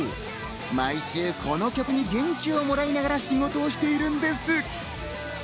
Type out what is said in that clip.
毎週この曲に元気をもらいながら仕事をしているんです。